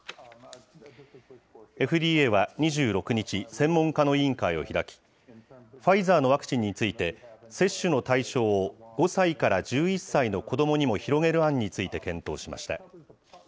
ＦＤＡは２６日、専門家の委員会を開き、ファイザーのワクチンについて、接種の対象を５歳から１１歳の子どもにも広げる案について検討しました。